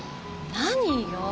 何よ？